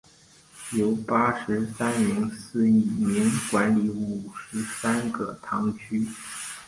由八十三名司铎名管理五十三个堂区。